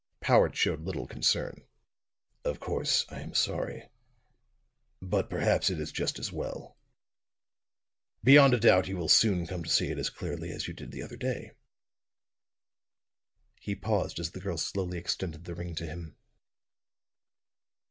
Powart showed little concern. "Of course I am sorry; but perhaps it is just as well. Beyond a doubt you will soon come to see it as clearly as you did the other day." He paused as the girl slowly extended the ring to him.